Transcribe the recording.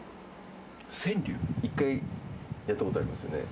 １回やったことありますよね？